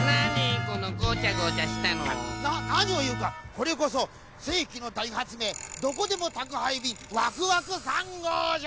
これこそせいきのだいはつめいどこでもたくはいびんワクワク３ごうじゃ！